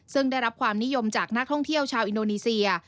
ซึ่งได้รับความนิยมจากนักท่องเที่ยวชาวอินโดนีเซีย